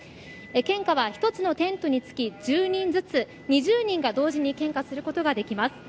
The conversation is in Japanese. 献花は１つのテントにつき１０人ずつ２０人が同時に献花することができます。